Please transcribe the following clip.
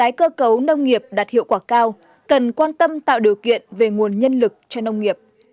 các nhà khoa học cũng cho rằng để tái cơ cấu nông nghiệp đạt hiệu quả cao cần quan tâm tạo điều kiện về nguồn nhân lực cho nông nghiệp